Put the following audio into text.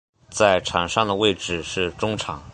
在场上的位置是中场。